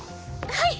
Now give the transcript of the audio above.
はい！